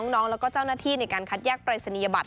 น้องแล้วก็เจ้าหน้าที่ในการคัดแยกปรายศนียบัต